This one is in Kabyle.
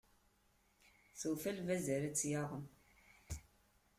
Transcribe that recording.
Tufa lbaz ara tt-yaɣen.